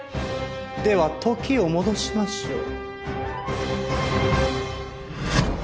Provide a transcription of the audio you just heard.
では時を戻しましょう。